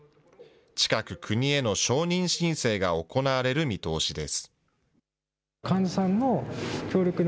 近く国への承認申請が行われる見通しです。